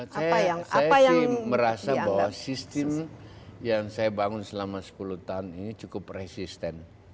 saya sih merasa bahwa sistem yang saya bangun selama sepuluh tahun ini cukup resisten